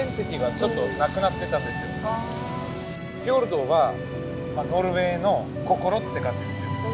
フィヨルドはノルウェーの心って感じですよ。